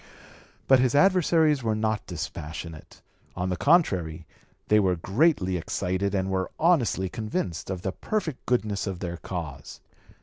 But his adversaries were not dispassionate; on the contrary they were greatly excited and were honestly convinced of the perfect goodness of their cause.